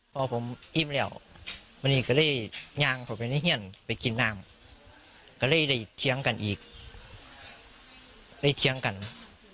พ่อผมอิ่มแล้วเมื่อกสัก๑ขวักจะไปเผนก่อนพี่จะไปคิดหน้ากินน่ามก็เลยเถียงกันกู